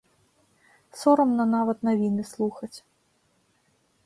Сорамна нават навіны слухаць.